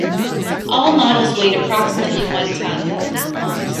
All models weighed approximately one tonne.